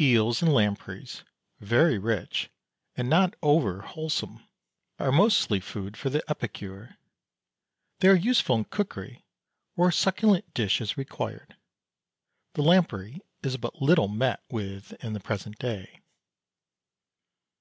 Eels and lampreys, very rich, and not over wholesome, are mostly food for the epicure. They are useful in cookery where a succulent dish is required. The lamprey is but little met with in the present day.